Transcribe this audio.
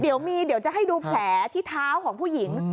เดี๋ยวมีเดี๋ยวจะให้ดูแผลที่เท้าของผู้หญิง